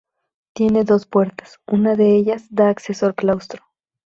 Tiene dos puertas, una de ellas da acceso al claustro.